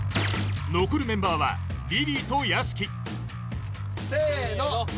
残るメンバーはリリーと屋敷せーの！